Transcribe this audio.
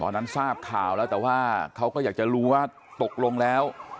ทราบข่าวแล้วแต่ว่าเขาก็อยากจะรู้ว่าตกลงแล้ว